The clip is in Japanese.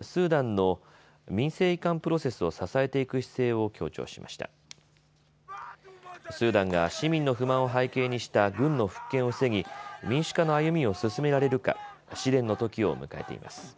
スーダンが市民の不満を背景にした軍の復権を防ぎ、民主化の歩みを進められるか試練のときを迎えています。